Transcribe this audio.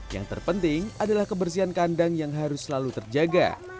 yang terpenting adalah kebersihan kandang yang harus selalu terjaga